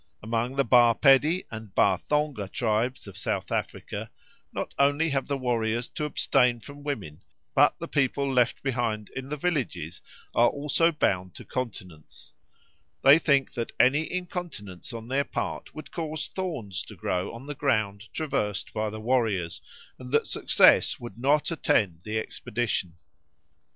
Among the Ba Pedi and Ba Thonga tribes of South Africa not only have the warriors to abstain from women, but the people left behind in the villages are also bound to continence; they think that any incontinence on their part would cause thorns to grow on the ground traversed by the warriors, and that success would not attend the expedition.